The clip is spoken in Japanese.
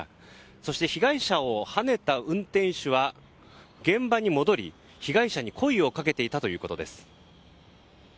そして被害者をはねた運転手は現場に戻り被害者に声をかけていたということです。